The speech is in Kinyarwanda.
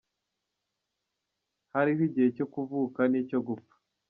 Hariho igihe cyo kuvuka n’icyo gupfa.